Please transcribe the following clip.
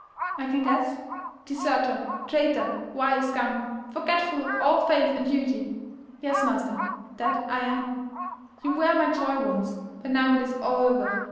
"" I can guess." "Deserter — traitor — vile scum, forgetful of all faith and duty! "" Yes, master — that I am." '' You were my joy once. But now it is all over.